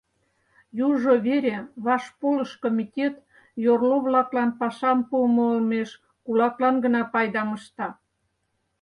Южо вере вашполыш комитет йорло-влаклан пашам пуымо олмеш кулаклан гына пайдам ышта.